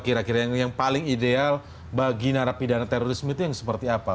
kira kira yang paling ideal bagi narapidana terorisme itu yang seperti apa